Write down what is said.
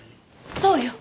そうよ！